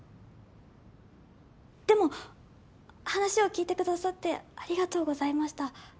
でも話を聞いてくださってありがとうございました。